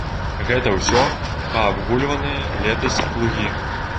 Гэта ўсё паабагульваныя летась плугі.